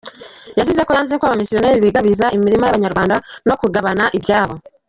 Yazize ko yanze ko abamisiyoneri bigabiza imirima y’abanyarwanda no kugabana ibyabo.